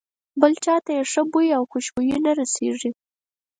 بل چاته یې ښه بوی او خوشبويي نه رسېږي.